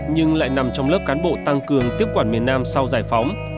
nhưng lại nằm trong lớp cán bộ tăng cường tiếp quản miền nam sau giải phóng